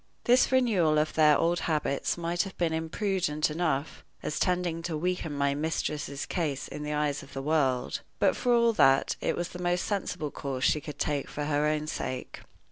This renewal of their old habits might have been imprudent enough, as tending to weaken my mistress's case in the eyes of the world, but, for all that, it was the most sensible course she could take for her own sake.